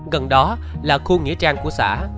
gần đó là khu nghĩa trang của xã